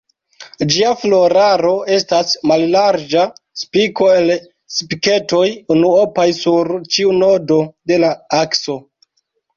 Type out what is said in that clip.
Gia floraro estas mallarĝa spiko el spiketoj unuopaj sur ĉiu nodo de la akso.